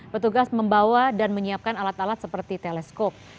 petugas membawa dan menyiapkan alat alat seperti teleskop